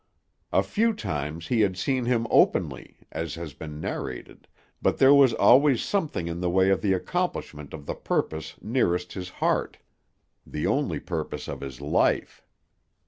A few times he had seen him openly, as has been narrated, but there was always something in the way of the accomplishment of the purpose nearest his heart; the only purpose of his life.